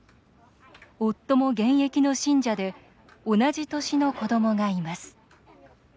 夫も現役の信者で同じ年の子どもがいます。